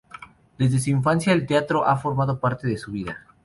Desde su infancia el teatro ha formado parte de su vida.